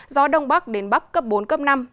gió đông bắc đến bắc cấp bốn cấp năm